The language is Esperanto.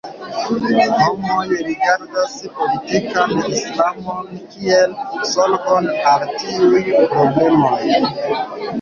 Homoj rigardas politikan Islamon kiel solvon al tiuj problemoj.